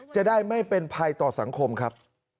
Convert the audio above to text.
จะได้ไม่เป็นภัยต่อสังคมครับ